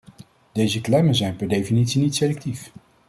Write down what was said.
Deze klemmen zijn per definitie niet selectief.